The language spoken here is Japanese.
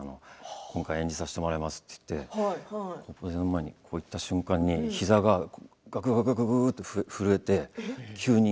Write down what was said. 今回、演じさせてもらいますと言って墓前に立った瞬間に膝ががくがくと震えて急に。